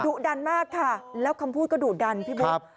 ดุดันมากค่ะแล้วคำพูดก็ดุดันพี่บุ๊ค